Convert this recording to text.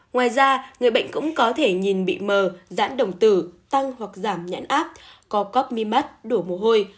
ngoài ra người bệnh cũng có thể nhìn bị mờ giãn đồng tử tăng hoặc giảm nhãn áp co cóp mi mắt đổ mồ hôi